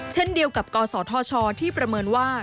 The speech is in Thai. เช่นเดียวกับกศธชที่ประเมินว่า